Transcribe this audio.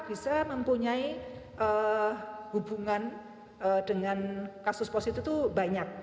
bisa mempunyai hubungan dengan kasus positif itu banyak